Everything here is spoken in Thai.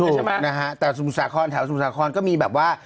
ถูกนะฮะแต่สมุทรสาครแถวสมุทรสาครก็มีแบบว่า